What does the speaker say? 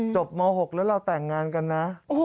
ม๖แล้วเราแต่งงานกันนะ